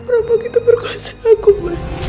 rampok kita berkuasa agung